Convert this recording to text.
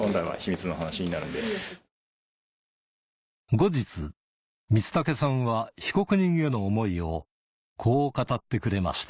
後日光武さんは被告人への思いをこう語ってくれました